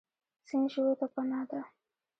سیند ژویو ته پناه ده.